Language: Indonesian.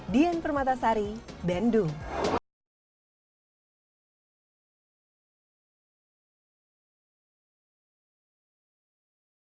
dian permatasari bendung